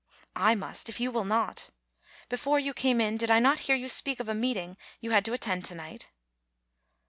" I must, if you will not. Before you came in, did I not hear you speak of a meeting you had to attend to night?"